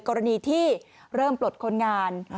กรณีที่เริ่มปลดคนงาน